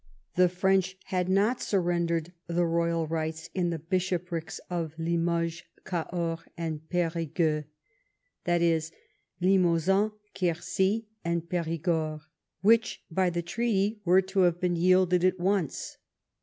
Tlie French had not surrendered the royal rights in the bishoprics of Limoges, Cahors, and Perigueux (i.e. the Limousin, Quercy, and Perigord), which by the treaty were to have been yielded at once.